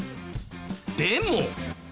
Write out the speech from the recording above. でも。